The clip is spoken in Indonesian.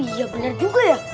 iya bener juga